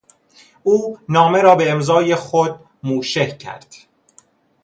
او نامه را به امضای خود موشح کرد.